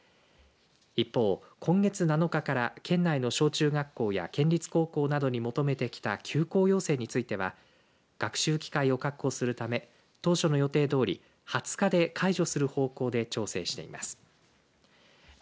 一方、今月７日から県内の小中学校や県立高校などに求めてきた休校要請については学習機会を確保するため当初の予定どおり２０日で解除する方向で調整しています。